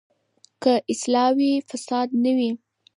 که اصلاح وي، فساد نه وي.